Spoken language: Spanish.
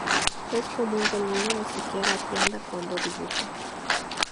Es común que el niño ni siquiera atienda cuando dibuja.